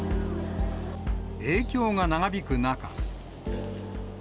影響が長引く中。